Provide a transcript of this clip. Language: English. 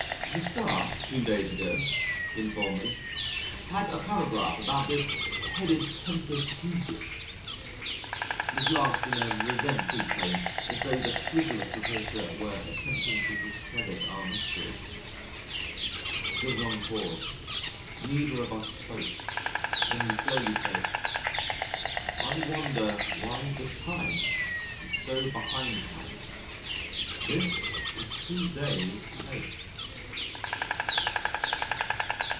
"The Star, two days ago," he informed me, "had a paragraph about this headed 'Tempus fugit' " this last in a resentful tone as tho' the frivolous reporter were attempting to discredit our mystery. There was a long pause. Neither of us spoke. Then he slowly said: "I wonder why The Times is so behindhand. This is two days late."